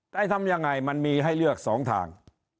แต่ทำยังไงมันมีให้เลือก๒ทาง